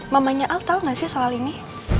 mamanya al tau gak sih soal ini